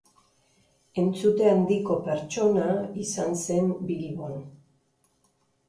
Entzute handiko pertsona izan zen Bilbon.